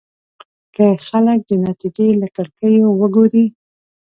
که خلک د نتيجې له کړکيو وګوري.